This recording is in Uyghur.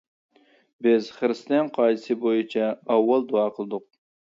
بىز خىرىستىيان قائىدىسى بويىچە ئاۋۋال دۇئا قىلدۇق.